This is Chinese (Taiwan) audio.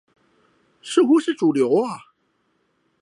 似乎是主流啊